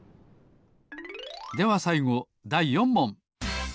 ではさいごだい４もん。